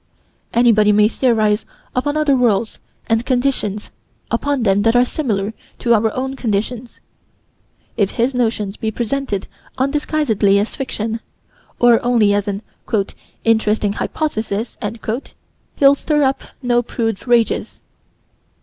Anybody may theorize upon other worlds and conditions upon them that are similar to our own conditions: if his notions be presented undisguisedly as fiction, or only as an "interesting hypothesis," he'll stir up no prude rages.